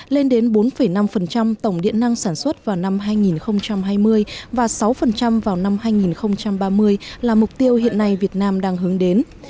lên đến bốn năm tổng điện năng sản xuất vào năm hai nghìn hai mươi và sáu vào năm hai nghìn ba mươi là mục tiêu hiện nay việt nam đang hướng đến